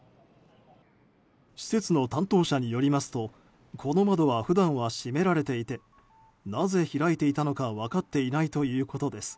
施設の担当者によりますとこの窓は普段は閉められていてなぜ開いていたのか分かっていないということです。